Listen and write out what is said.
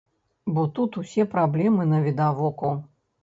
Бо тут усе праблемы навідавоку.